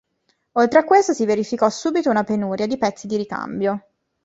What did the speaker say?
Oltre a questo, si verificò subito una penuria di pezzi di ricambio.